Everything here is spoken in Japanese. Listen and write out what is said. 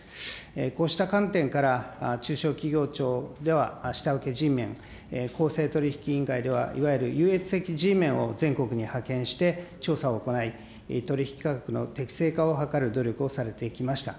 こうした観点から、中小企業庁では下請けＧメン、公正取引委員会ではいわゆる優越的Ｇメンを全国に派遣して調査を行い、取り引き価格の適正化を図る努力をされてきました。